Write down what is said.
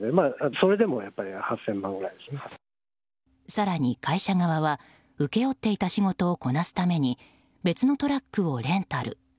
更に会社側は請け負っていた仕事をこなすために別のトラックをレンタル。